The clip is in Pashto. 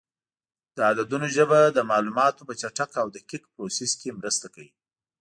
د عددونو ژبه د معلوماتو په چټک او دقیق پروسس کې مرسته کوي.